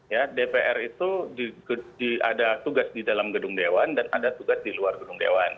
ya dpr itu ada tugas di dalam gedung dewan dan ada tugas di luar gedung dewan